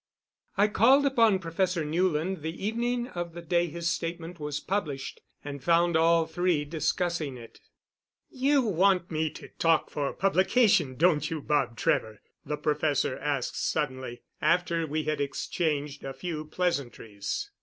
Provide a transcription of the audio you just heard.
I called upon Professor Newland the evening of the day his statement was published, and found all three discussing it. "You want me to talk for publication, don't you, Bob Trevor?" the professor asked suddenly, after we had exchanged a few pleasantries.